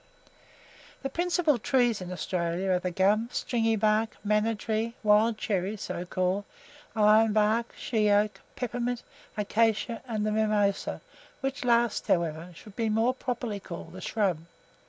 The principal trees in Australia are the gum, stringy bark, manna tree, wild cherry (so called), iron bark, shea oak, peppermint, acacia, and the mimosa, which last, however, should more properly be called a shrub.